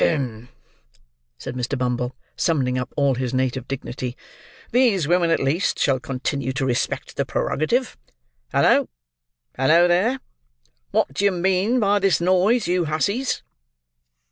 "Hem!" said Mr. Bumble, summoning up all his native dignity. "These women at least shall continue to respect the prerogative. Hallo! hallo there! What do you mean by this noise, you hussies?"